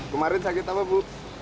kemarin sakit apa bu